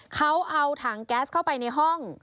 เขาเอาถังแก๊สเข้าไปในห้อง